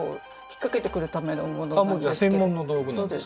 もうじゃあ専門の道具なんですか？